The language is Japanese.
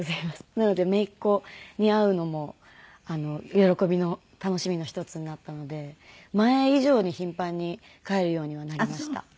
なので姪っ子に会うのも喜びの楽しみの一つになったので前以上に頻繁に帰るようにはなりました。